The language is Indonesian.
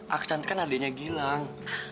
aksan kan adiknya gilang